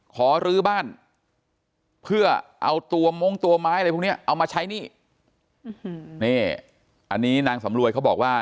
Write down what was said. ขอรื้อบ้านเพื่อเอาตัวมงตัวไม้อะไรพวกเนี้ยเอามาใช้หนี้นี่อันนี้นางสำรวยเขาบอกว่า